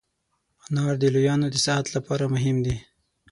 انار د لویانو د صحت لپاره مهم دی.